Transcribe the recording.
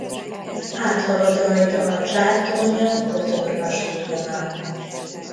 Áthalad rajta a Csáktornya–Kotor-vasútvonal.